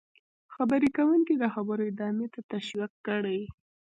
-خبرې کوونکی د خبرو ادامې ته تشویق کړئ: